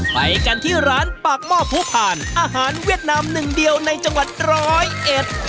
ไปกันที่ร้านปากหม้อผู้ผ่านอาหารเวียดนามหนึ่งเดียวในจังหวัดร้อยเอ็ด